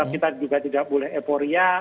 kita juga tidak boleh eporia